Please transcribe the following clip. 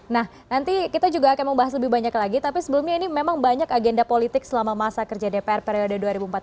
nah nanti kita juga akan membahas lebih banyak lagi tapi sebelumnya ini memang banyak agenda politik selama masa kerja dpr periode dua ribu empat belas dua ribu dua puluh